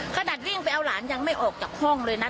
ขนาดวิ่งไปเอาหลานยังไม่ออกจากห้องเลยนะ